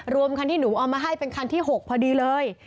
รวมคันที่หนูเอามาให้เป็นคันที่๖พอดีเลย